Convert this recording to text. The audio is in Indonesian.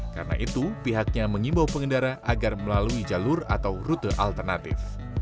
karena itu pihaknya mengimbau pengendara agar melalui jalur atau rute alternatif